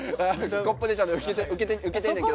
コップでちゃんと受けてんねんけど。